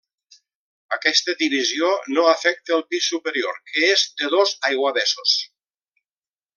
Aquesta divisió no afecta el pis superior que és de dos aiguavessos.